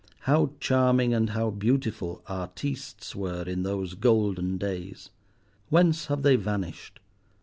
how charming and how beautiful "artistes" were in those golden days! Whence have they vanished?